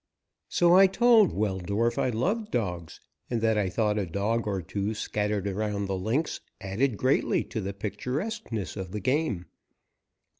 So I told Weldorf I loved dogs and that I thought a dog or two scattered around the links added greatly to the picturesqueness of the game.